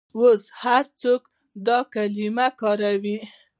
اوس هر څوک دا کلمه کاروي.